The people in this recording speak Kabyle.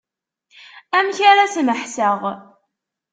Amek ara smeḥseɣ.